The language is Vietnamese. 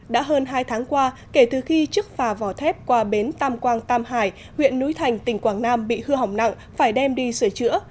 đã hơn hai tháng qua kể từ khi chiếc phà vỏ thép qua bến tam quang tam hải huyện núi thành tỉnh quảng nam bị hư hỏng nặng phải đem đi sửa chữa